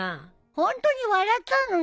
ホントに笑ったのに。